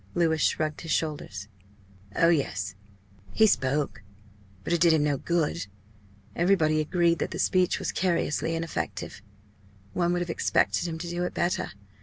Louis shrugged his shoulders. "Oh, yes. He spoke but it did him no good. Everybody agreed that the speech was curiously ineffective. One would have expected him to do it better.